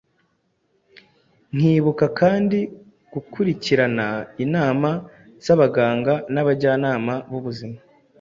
Nkibuka kandi gukurikirana inama z’abaganga n’abajyanama b’ubuzima